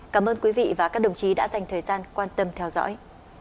cảm ơn quý vị và các đồng chí đã dành thời gian quan tâm theo dõi